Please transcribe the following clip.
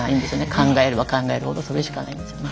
考えれば考えるほどそれしかないんですよね。